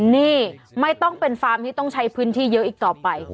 นี่ไม่ต้องเป็นฟาร์มที่ต้องใช้พื้นที่เยอะอีกต่อไป